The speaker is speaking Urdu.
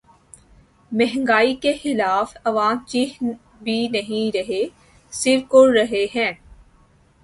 مہنگائی کے خلاف عوام چیخ بھی نہیں رہے‘ صرف کڑھ رہے ہیں۔